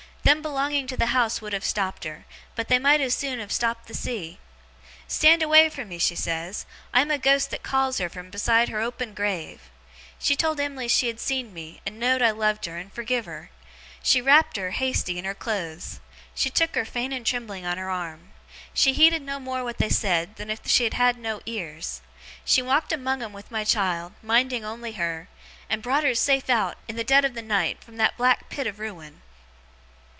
Them belonging to the house would have stopped her, but they might as soon have stopped the sea. "Stand away from me," she says, "I am a ghost that calls her from beside her open grave!" She told Em'ly she had seen me, and know'd I loved her, and forgive her. She wrapped her, hasty, in her clothes. She took her, faint and trembling, on her arm. She heeded no more what they said, than if she had had no ears. She walked among 'em with my child, minding only her; and brought her safe out, in the dead of the night, from that black pit of ruin!